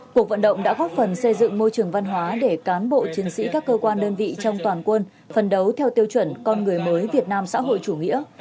cuộc vận động đã góp phần xây dựng môi trường văn hóa để cán bộ chiến sĩ các cơ quan đơn vị trong toàn quân phần đấu theo tiêu chuẩn con người mới việt nam xã hội chủ nghĩa